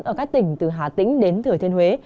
ở các tỉnh từ hà tĩnh đến thừa thiên huế